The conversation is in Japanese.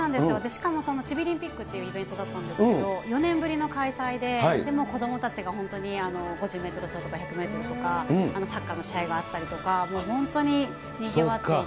しかもそのチビリンピックっていうイベントだったんですけど、４年ぶりの開催で、子どもたちが本当に５０メートル走とか１００メートルとか、サッカーの試合があったりとか、もう本当に、にぎわっていて。